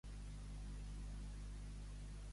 A qui va representar a Anillos de oro?